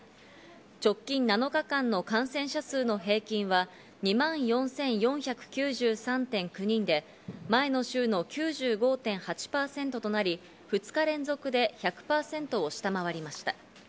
直近７日間の感染者数の平均は２万４４９３．９人で、前の週の９５．８％となり、２日連続で１００％を下回りました。